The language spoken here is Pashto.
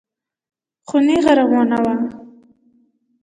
خو نېغه روانه وه.